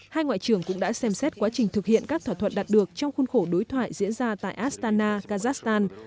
hai ngoại trưởng cũng đã xem xét quá trình thực hiện các thỏa thuận đạt được trong khuôn khổ đối thoại diễn ra tại astana kazakhstan